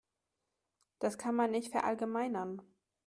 Das kann man nicht verallgemeinern.